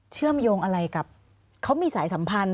เชื่อมโยงอะไรกับเขามีสายสัมพันธ์